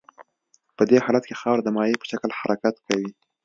په دې حالت کې خاوره د مایع په شکل حرکت کوي